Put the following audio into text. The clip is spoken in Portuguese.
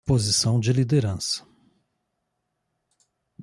Posição de liderança